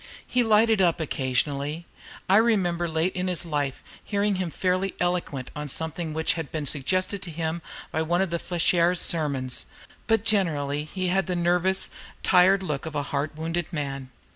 He lighted up occasionally, I remember late in his life hearing him fairly eloquent on something which had been suggested to him by one of Fléchier's sermons, but generally he had the nervous, tired look of a heart wounded man.